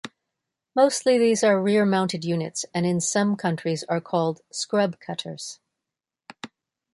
Mostly these are rear-mounted units and in some countries are called "scrub cutters".